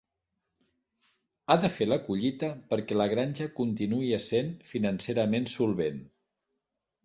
Ha de fer la collita perquè la granja continuï essent financerament solvent.